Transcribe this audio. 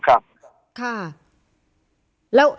ขอบคุณครับ